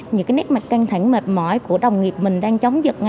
những cái nét mặt căng thẳng mệt mỏi của đồng nghiệp mình đang chống giặt